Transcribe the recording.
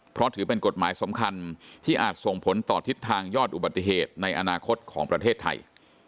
เพราะถือเป็นกฎหมายสำคัญที่อาจส่งผลต่อทิศทางยอดอุบัติเหตุในอนาคตของประเทศไทย